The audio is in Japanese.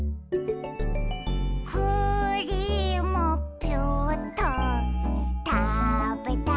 「クリームピューっとたべたいな」